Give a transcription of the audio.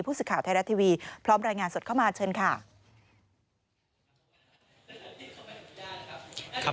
สื่อข่าวไทยรัฐทีวีพร้อมรายงานสดเข้ามาเชิญค่ะ